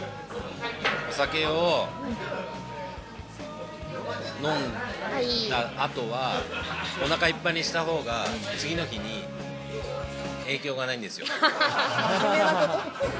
お酒を飲んだ後は、お腹いっぱいにした方が、次の日に影響がないですよ。